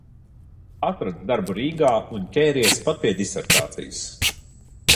Atradis darbu Rīgā un ķēries pat pie disertācijas.